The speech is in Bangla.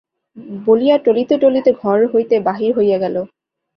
বলিয়া টলিতে টলিতে ঘর হইতে বাহির হইয়া গেল!